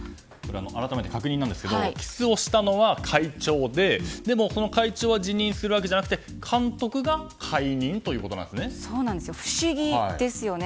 改めて確認なんですがキスをしたのは会長ででもその会長は辞任するわけじゃなくて不思議ですよね。